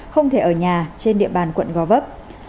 không thể ở nhà trên địa bàn quận gò vấp